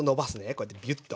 こうやってビュッと。